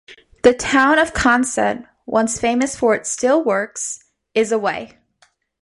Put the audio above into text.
The town of Consett, once famous for its steel works, is away.